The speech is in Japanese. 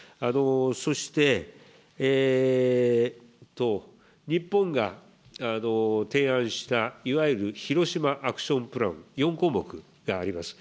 そして、日本が提案したいわゆるヒロシマ・アクション・プラン４項目があります。